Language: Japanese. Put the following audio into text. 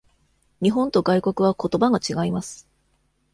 日本と外国はことばが違います。